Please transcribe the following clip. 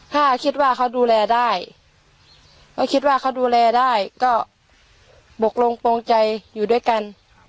ถ้าคิดว่าเขาดูแลได้เขาคิดว่าเขาดูแลได้ก็บกลงโปรงใจอยู่ด้วยกัน